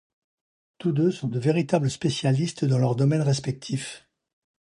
Tous deux sont de véritables spécialistes dans leurs domaines respectifs.